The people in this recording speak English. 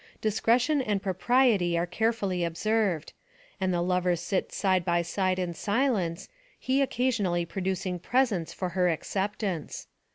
Discre tion and propriety are carefully observed, and the lovers sit side by side in silence, he occasionally pro ducing presents for her acceptance.